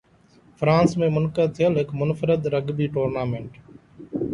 France ۾ منعقد ٿيل هڪ منفرد رگبي ٽورنامينٽ